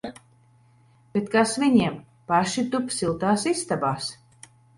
Bet kas viņiem! Paši tup siltās istabās!